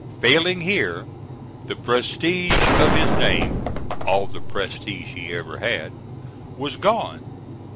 Failing here, the prestige of his name all the prestige he ever had was gone.